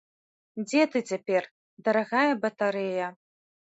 Дзе ты цяпер, дарагая батарэя?